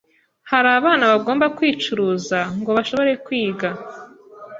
hari abana bagomba kwicuruza ngo bashobore kwiga